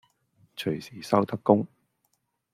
隨時收得工